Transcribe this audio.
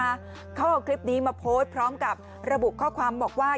เขาเอาคลิปนี้มาโพสต์พร้อมกับระบุข้อความบอกว่า